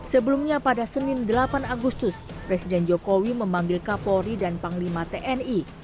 sebelumnya pada senin delapan agustus presiden jokowi memanggil kapolri dan panglima tni